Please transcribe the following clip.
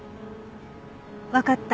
わかった。